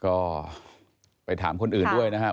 ก็ไปถามคนอื่นด้วยนะครับ